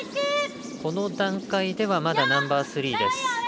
この段階ではまだナンバースリーです。